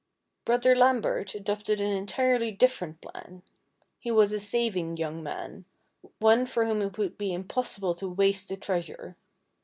Brother Lambert adopted an entirely different plan. He was a saving young man, one for whom it would be impossible to waste a treasure.